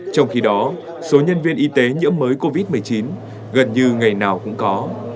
trong khi đó số nhân viên y tế nhiễm mới covid một mươi chín gần như ngày nào cũng có